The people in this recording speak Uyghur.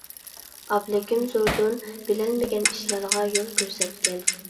ئابلىكىم زوردۇن بىلەلمىگەن ئىشلارغا يول كۆرسەتكەن.